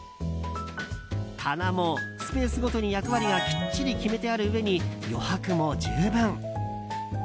棚もスペースごとに役割がきっちり決めてあるうえに余白も十分。